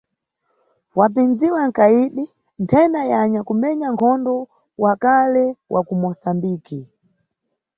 Wapindziwa nkayidi nthena ya anyakumenya nkhondo wa kale wa ku Musambiki.